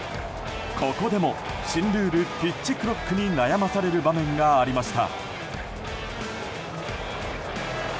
ここでも、新ルールピッチクロックに悩まされる場面がありました。